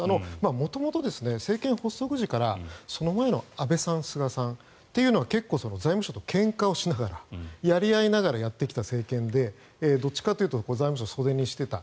元々、政権発足時からその前の安倍さん、菅さんというのが結構財務省とけんかをしながらやり合いながらやってきた政権でどっちかというと財務省を袖にしていた。